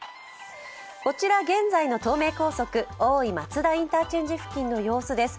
こちら現在の東名高速、大井松田インターチェンジの様子です。